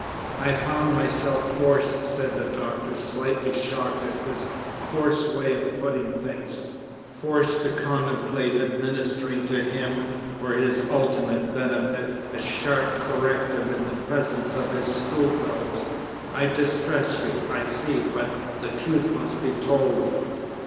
"I found myself forced," said the Doctor, slightly shocked at this coarse way of putting things, "forced to contemplate administering to him (for his ultimate benefit) a sharp corrective in the presence of his schoolfellows. I distress you, I see, but the truth must be told.